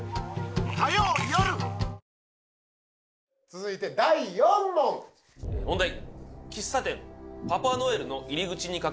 続いて第４問問題